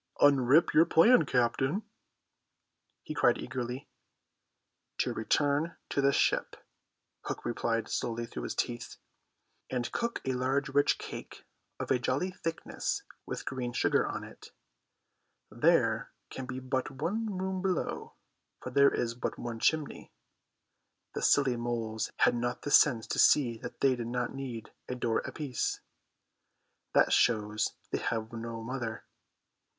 "Unrip your plan, captain," he cried eagerly. "To return to the ship," Hook replied slowly through his teeth, "and cook a large rich cake of a jolly thickness with green sugar on it. There can be but one room below, for there is but one chimney. The silly moles had not the sense to see that they did not need a door apiece. That shows they have no mother.